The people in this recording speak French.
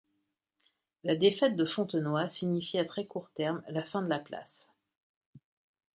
La défaite de Fontenoy signifie à très court terme la fin de la place.